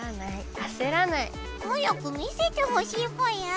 早く見せてほしいぽよ。